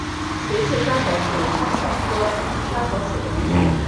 垂穗莎草是莎草科莎草属的植物。